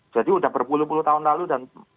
jadi sudah berpuluh puluh tahun lalu dan